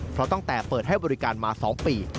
เพราะตั้งแต่เปิดให้บริการมา๒ปี